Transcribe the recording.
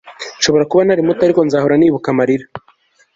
nshobora kuba nari muto, ariko nzahora nibuka amarira